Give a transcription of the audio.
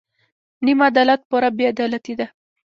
نیم عدالت پوره بې عدالتي ده.